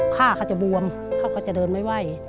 ผ้าเขาจะบวมเขาก็จะเดินไม่ไหว